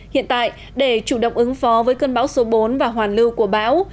hiện tại để chủ động ứng phó với cơn bão số bốn và hoàn lưu của bão